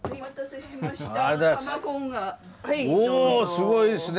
すごいっすね。